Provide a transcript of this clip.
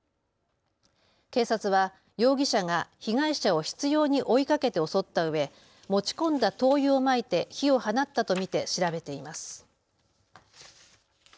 警察は容疑者が被害者を執ように追いかけて襲ったうえ持ち込んだ灯油をまいて火を放ったと見て調べています。